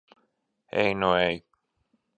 Ej nu ej!